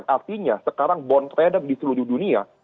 artinya sekarang bond trade di seluruh dunia